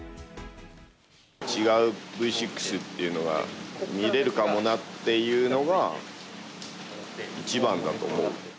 違うＶ６っていうのが見れるかもなっていうのが、一番だと思う。